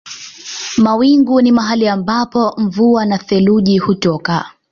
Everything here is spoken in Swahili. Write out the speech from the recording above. Mawingu ni mahali ambako mvua na theluji hutoka.